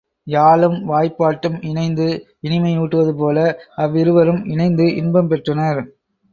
யாழும் வாய்ப்பாட்டும் இணைந்து இனிமை ஊட்டுவது போல அவ்விருவரும் இணைந்து இன்பம் பெற்றனர்.